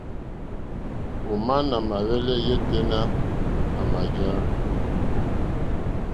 Òmá nà mà hwɛ́lɛ́ yêténá à mà jǎ.